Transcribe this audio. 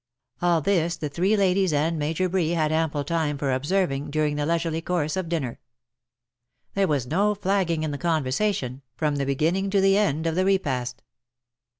All this the three ladies and Major Bree had ample time for observing, during the leisurely course of dinner. There was no flagging in the conversation, from the 02 BUT THEN CAME ONE, beginning to the end of the repast.